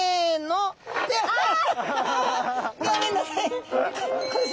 ギョめんなさい！